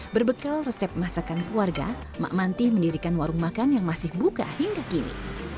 berbekal resep masakan keluarga mak manti mendirikan warung makan yang masih buka hingga kini